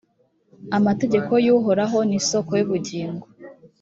amategeko y’uhoraho ni isoko y’ubugingo